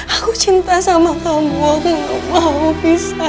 aku cinta sama kamu aku gak mau pisah